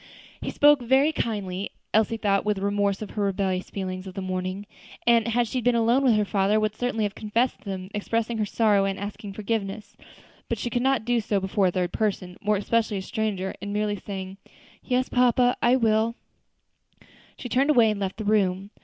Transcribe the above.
He spoke very kindly; Elsie thought with remorse of the rebellious feelings of the morning, and, had she been alone with her father, would certainly have confessed them, expressing her sorrow and asking forgiveness; but she could not do so before a third person, more especially a stranger; and merely saying, "Yes, papa, I will," she turned away and left the room.